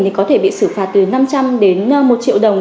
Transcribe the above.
thì có thể bị xử phạt từ năm trăm linh đến một triệu đồng